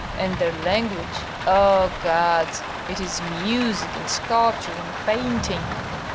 "And their language! O gods, it is music and sculpture and painting.